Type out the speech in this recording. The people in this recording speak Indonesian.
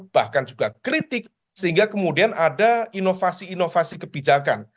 bahkan juga kritik sehingga kemudian ada inovasi inovasi kebijakan